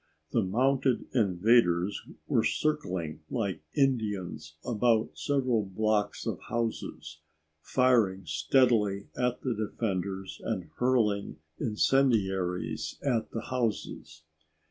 The mounted invaders were circling like Indians about several blocks of houses, firing steadily at the defenders and hurling incendiaries at the houses.